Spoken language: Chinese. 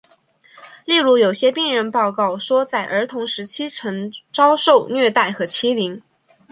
例如有些病人报告说在儿童时代曾遭受虐待和欺凌。